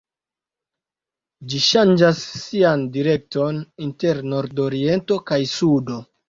Ĝi ŝanĝas sian direkton inter nordoriento kaj sudo.